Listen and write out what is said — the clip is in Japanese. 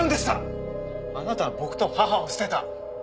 あなたは僕と母を捨てた。